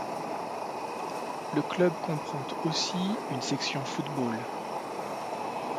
Le club comprend aussi une section football.